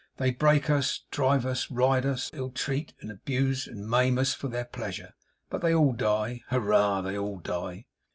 'They break us, drive us, ride us; ill treat, abuse, and maim us for their pleasure But they die; Hurrah, they die!